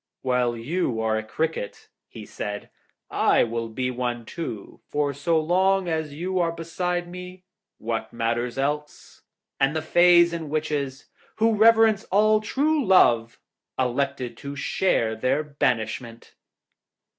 'While you are a cricket,' he said, 'I will be one too, for so long as you are beside me what matters else?' And the Fays and Witches, who reverence all true love, elected to share their banishment.